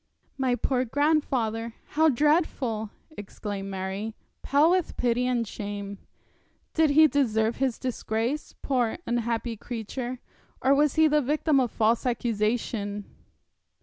'My poor grandfather! How dreadful!' exclaimed Mary, pale with pity and shame. 'Did he deserve his disgrace, poor unhappy creature or was he the victim of false accusation?'